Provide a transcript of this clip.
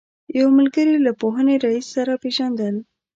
یو ملګري له پوهنې رئیس سره پېژندل.